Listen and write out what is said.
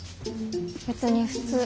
別に普通。